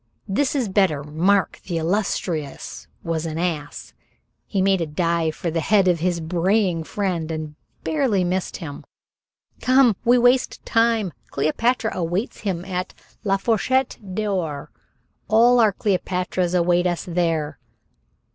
This is better. Mark, the illustrious, was an ass." He made a dive for the head of his braying friend and barely missed him. "Come. We waste time. Cleopatra awaits him at 'la Fourchette d'or'; all our Cleopatras await us there."